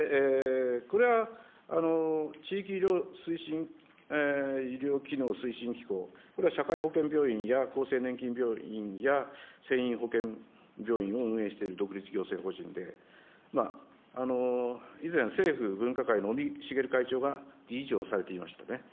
これは地域医療機能推進機構、これは社会保険病院や厚生年金病院や船員保険病院を運営している独立行政法人で、以前、政府分科会の尾身茂会長が理事長をされていましたね。